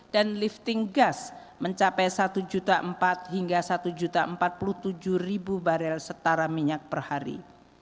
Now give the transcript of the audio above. dan lifting gas mencapai satu empat ratus hingga satu empat ratus empat puluh tujuh barel setara minyak per hari